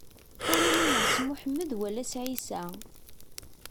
Ur umineɣ s Muḥemmed wala s Ɛisa.